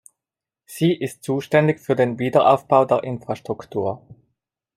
Sie ist zuständig für den Wiederaufbau der Infrastruktur.